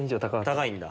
高いんだ。